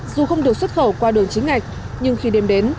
dù không được xuất khẩu qua đường chính ngạch nhưng khi đêm đến